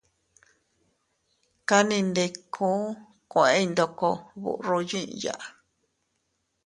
Kannindiku kueʼey ndoko burro yiʼya.